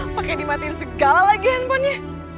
pakai dimatiin segala lagi handphonenya